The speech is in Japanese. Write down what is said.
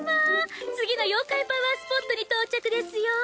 次の妖怪パワースポットに到着ですよ。